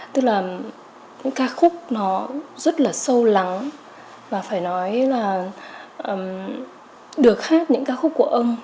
tức là những ca khúc nó rất là sâu lắng và phải nói là được hát những ca khúc của ông